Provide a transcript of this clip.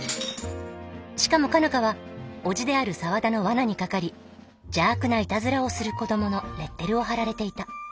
しかも佳奈花は叔父である沢田のわなにかかり「邪悪ないたずらをする子ども」のレッテルを貼られていた。